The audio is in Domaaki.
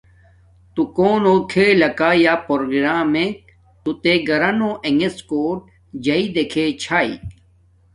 تو مے کونو کھناکا یا پروگرمک تو تے گررو انݣڎ کوٹ جاݵے دیکھے چھاݵ